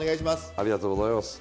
ありがとうございます。